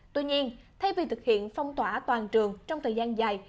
tuy nhiên thay vì thực hiện phong tỏa toàn trường trong thời gian dài